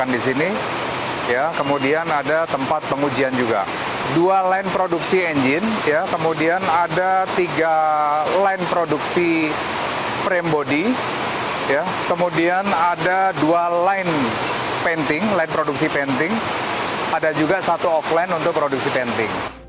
ada dua line painting line produksi painting ada juga satu offline untuk produksi painting